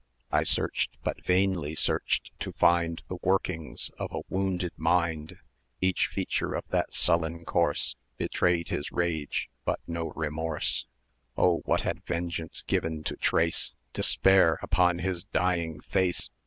I searched, but vainly searched, to find The workings of a wounded mind; 1090 Each feature of that sullen corse Betrayed his rage, but no remorse. Oh, what had Vengeance given to trace Despair upon his dying face!